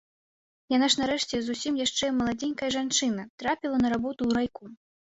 Яна ж нарэшце, зусім яшчэ маладзенькая жанчына, трапіла на работу ў райком.